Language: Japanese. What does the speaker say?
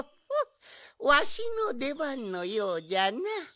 わしのでばんのようじゃな。